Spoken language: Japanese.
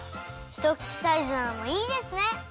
ひとくちサイズなのもいいですね。